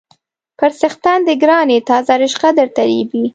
_پر څښتن دې ګران يې، تازه رشقه درته رېبي.